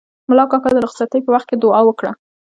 ملا کاکا د رخصتۍ په وخت کې دوعا وکړه.